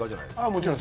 もちろん。